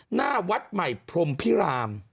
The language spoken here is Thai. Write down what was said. หน้าวัดใหม่พรมพิราม